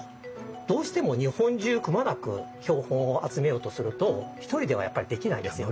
どうしても日本中くまなく標本を集めようとすると１人ではやっぱりできないですよね。